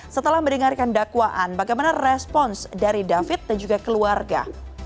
setelah mendengarkan dakwaan bagaimana respons dari david dan juga keluarga